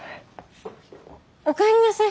おかえりなさい。